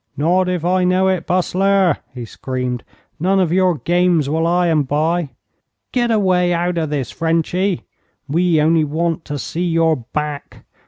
'Not if I know it, Bustler,' he screamed. 'None of your games while I am by. Get away out of this, Frenchy. We only want to see your back.